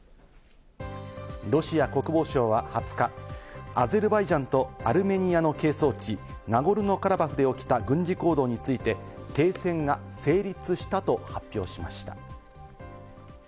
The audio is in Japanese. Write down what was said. ロシア国防省は２０日、アゼルバイジャンとアルメニアの係争地・ナゴルノカラバフで起きた軍事行動について、停戦が成立したと発表しました。